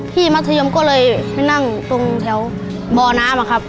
มัธยมก็เลยไปนั่งตรงแถวบ่อน้ำอะครับ